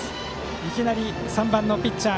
いきなり３番のピッチャー